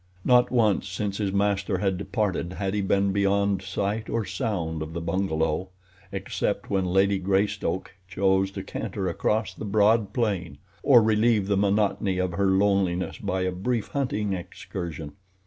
Not once since his master had departed had he been beyond sight or sound of the bungalow, except when Lady Greystoke chose to canter across the broad plain, or relieve the monotony of her loneliness by a brief hunting excursion.